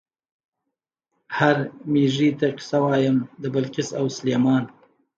"هر مېږي ته قصه وایم د بلقیس او سلیمان".